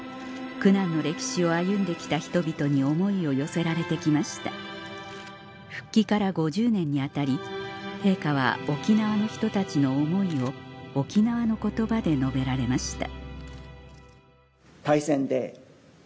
苦難の歴史を歩んで来た人々に思いを寄せられて来ました復帰から５０年に当たり陛下は沖縄の人たちの思いを沖縄の言葉で述べられました